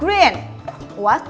awasin inu laporkan ke saya